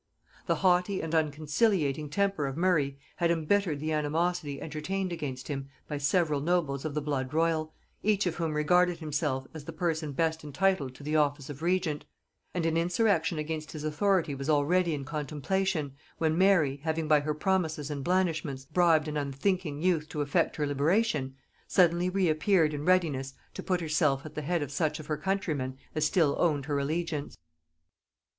The haughty and unconciliating temper of Murray had embittered the animosity entertained against him by several nobles of the blood royal, each of whom regarded himself as the person best entitled to the office of regent; and an insurrection against his authority was already in contemplation, when Mary, having by her promises and blandishments bribed an unthinking youth to effect her liberation, suddenly reappeared in readiness to put herself at the head of such of her countrymen as still owned her allegiance.